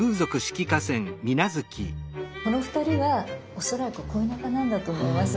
この２人は恐らく恋仲なんだと思います。